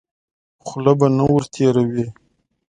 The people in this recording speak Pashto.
خوله به نه ور تېروې.